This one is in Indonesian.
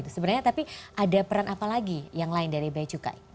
sebenarnya tapi ada peran apa lagi yang lain dari bea cukai